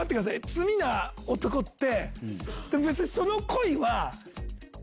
「罪な男」って。